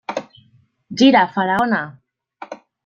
Gira, Faraona!